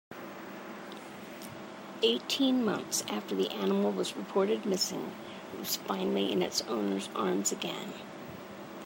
Eighteen months after the animal has been reported missing it was finally in its owner's arms again.